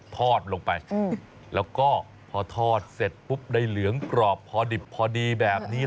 ทอดลงไปแล้วก็พอทอดเสร็จปุ๊บได้เหลืองกรอบพอดิบพอดีแบบนี้